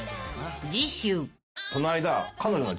［次週］